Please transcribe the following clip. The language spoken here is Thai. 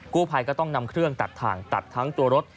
ผู้ภัยก็ต้องนำเครื่องตัดถ่างตัดทั้งตัวรถ